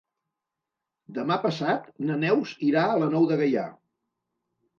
Demà passat na Neus irà a la Nou de Gaià.